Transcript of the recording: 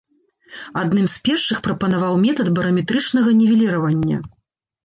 Адным з першых прапанаваў метад бараметрычнага нівеліравання.